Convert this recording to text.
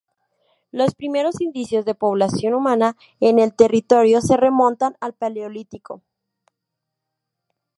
Los primeros indicios de población humana en el territorio se remontan al Paleolítico.